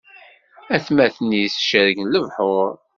Atmaten-is cergen lebḥuṛ.